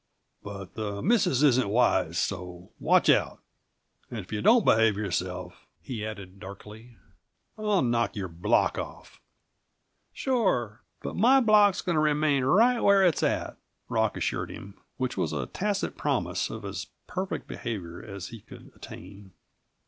"But the missus isn't wise so watch out. And if you don't behave yourself," he added darkly, "I'll knock your block off." "Sure. But my block is going to remain right where it's at," Rock assured him, which was a tacit promise of as perfect behavior as he could attain.